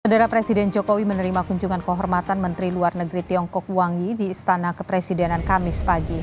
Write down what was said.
saudara presiden jokowi menerima kunjungan kehormatan menteri luar negeri tiongkok wangi di istana kepresidenan kamis pagi